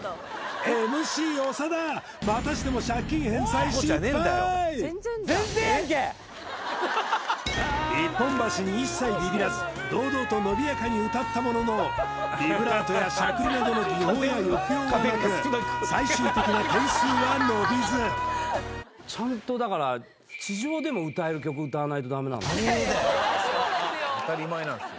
ＭＣ長田またしても一本橋に一切ビビらず堂々と伸びやかに歌ったもののビブラートやしゃくりなどの技法や抑揚がなく最終的な点数は伸びずちゃんとだから当たり前なんすよ